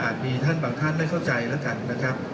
มีท่านบางท่านไม่เข้าใจแล้วกันนะครับ